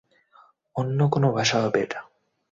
অন্য কোন ভাষা হবে এটা!